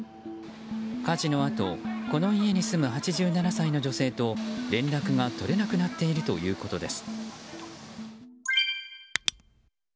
火事のあと、この家に住む８７歳の女性と連絡が取れなくなっているということです。